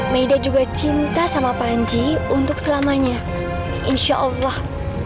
mayda juga cinta sama panji untuk selamanya insya allah